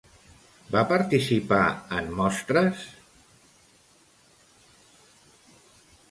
Va participar en mostres?